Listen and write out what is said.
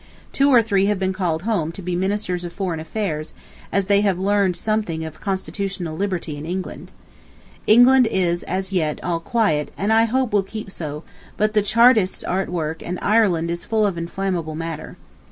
Two or three have been called home to be Ministers of Foreign Affairs, as they have learned something of constitutional liberty in England. England is, as yet, all quiet, and I hope will keep so, but the Chartists are at work and Ireland is full of inflammable matter.